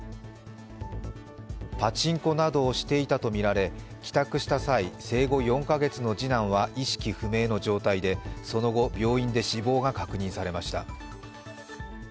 パチンコなどをしていたとみられ帰宅した際、生後４カ月の次男は意識不明の状態でその後、病院で死亡が確認されました。